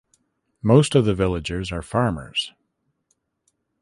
Most of the villagers are farmers.